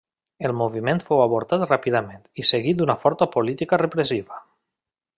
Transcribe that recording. El moviment fou avortat ràpidament i seguit d'una forta política repressiva.